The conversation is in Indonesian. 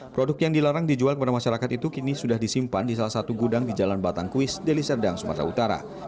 produk yang dilarang dijual kepada masyarakat itu kini sudah disimpan di salah satu gudang di jalan batangkuis deliserdang sumatera utara